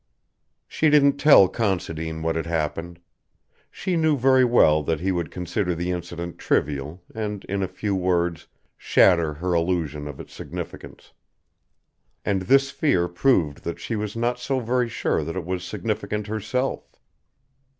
She didn't tell Considine what had happened. She knew very well that he would consider the incident trivial and, in a few words, shatter her illusion of its significance. And this fear proved that she was not so very sure that it was significant herself.